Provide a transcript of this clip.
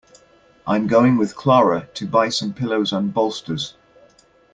I'm going with Clara to buy some pillows and bolsters.